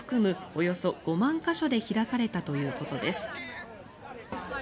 およそ５万か所で開かれたということです。